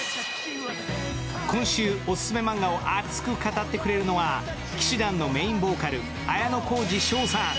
今週、オススメマンガを熱く語ってくれるのは氣志團のメインボーカル綾小路翔さん。